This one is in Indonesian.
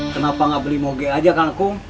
kenapa gak beli moge aja kakak kum